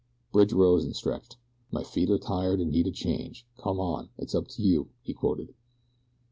Bridge rose and stretched. "'My feet are tired and need a change. Come on! It's up to you!'" he quoted.